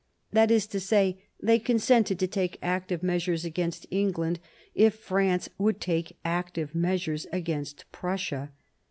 That is to say, they consented to take active measures against England if France would take active measures against Prussia.